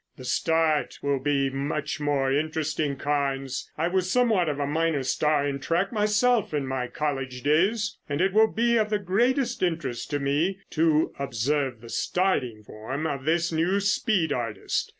"The start will be much more interesting, Carnes. I was somewhat of a minor star in track myself in my college days and it will be of the greatest interest to me to observe the starting form of this new speed artist.